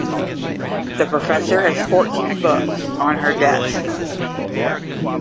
The professor has fourteen books on her desk.